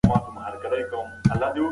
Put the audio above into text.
د آخرت توښه جوړه کړئ.